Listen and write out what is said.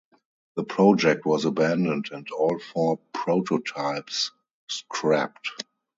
The project was abandoned and all four prototypes scrapped.